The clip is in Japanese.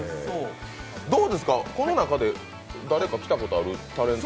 どうですか、この中で誰か来たことあるタレント？